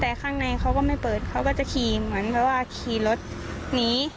แต่ข้างในเขาก็ไม่เปิดเขาก็จะขี่เหมือนแบบว่าขี่รถหนี